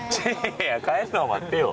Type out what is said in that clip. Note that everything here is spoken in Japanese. いや帰るのは待ってよ。